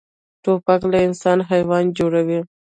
توپک له انسان حیوان جوړوي.